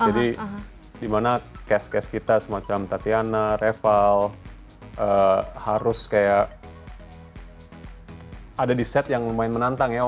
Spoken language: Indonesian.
jadi dimana cast cast kita semacam tatiana reval harus kayak ada di set yang lumayan menantang ya